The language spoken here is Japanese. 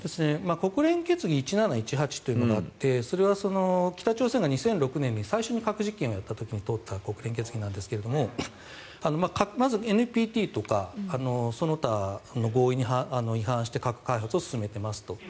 国連決議１７１８というのがあってそれは北朝鮮が２００６年に最初に核実験をやった時に通った国連決議なんですがまずＮＰＴとかその他の合意に違反して核開発を進めてますと。